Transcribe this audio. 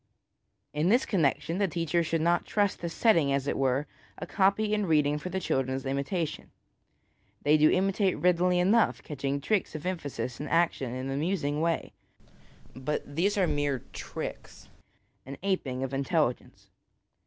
In this connecton the teacher should not trust to setting, as it were, a copy in reading for the children's imitation. They do imitate readily enough, catching tricks of emphasis and action in an amusing way ; but these are mere tricks, an aping of intelligence.